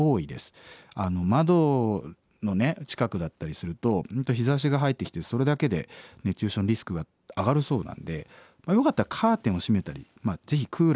窓のね近くだったりすると日ざしが入ってきてそれだけで熱中症のリスクが上がるそうなんでよかったらカーテンを閉めたりぜひクーラーもつけてですね